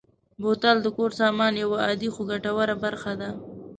بوتل د کور سامان یوه عادي خو ګټوره برخه ده.